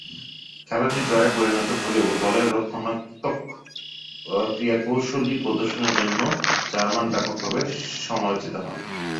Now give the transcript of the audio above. খেলাটি ড্রয়ে পরিণত হলেও দলের রক্ষণাত্মক ক্রীড়াশৈলী প্রদর্শনের জন্য জার্মান ব্যাপকভাবে সমালোচিত হন।